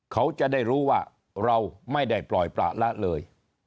เขาจะได้รู้ว่าเราไม่ได้ปล่อยประละเลย